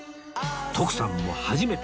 徳さんも初めて